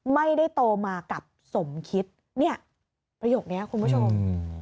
ไม่ได้โตมากับสมคิดเนี่ยประโยคนี้คุณผู้ชม